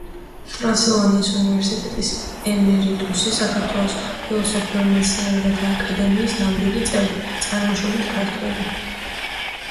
ტრანსილვანიის უნივერსიტეტის ემერიტუსი, საქართველოს ფილოსოფიურ მეცნიერებათა აკადემიის ნამდვილი წევრი, წარმოშობით ქართველი.